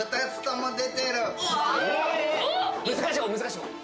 難しい方難しい方。